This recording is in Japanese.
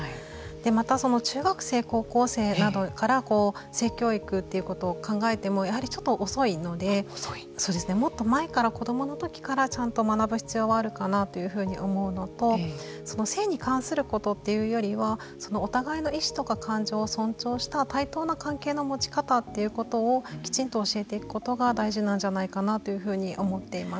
また、中学生、高校生などから性教育ということを考えてもやはりちょっと遅いのでもっと前から、子どもの時からちゃんと学ぶ必要はあるかなというふうに思うのと性に関することというよりはお互いの意思とか感情を尊重した対等な関係の持ち方ということをきちんと教えていくことが大事なんじゃないかなというふうに思っています。